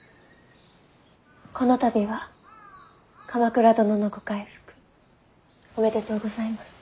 この度は鎌倉殿のご回復おめでとうございます。